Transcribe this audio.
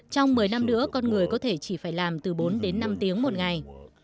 trong một mươi năm nữa con người có thể chỉ phải làm từ bốn đến năm tiếng một ngày